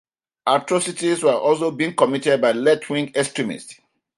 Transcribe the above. Atrocities were also being committed by left-wing extremists.